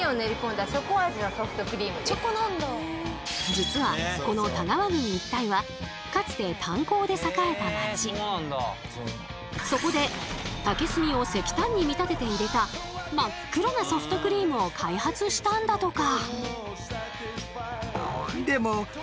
実はこの田川郡一帯はかつてそこで竹炭を石炭に見立てて入れた真っ黒なソフトクリームを開発したんだとか。